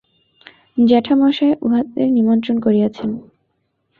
জ্যাঠামশায় উহাদের নিমন্ত্রণ করিয়াছেন।